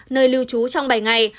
nơi lưu trú trong bảy ngày